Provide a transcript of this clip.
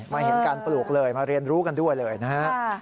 เห็นการปลูกเลยมาเรียนรู้กันด้วยเลยนะฮะ